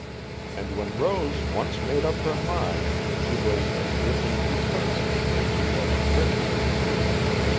And when Rose once made up her mind, she was as grimly determined as she was pretty.